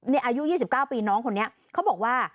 อายุ๒๙ปีน้องคนนี้เขาบอกว่า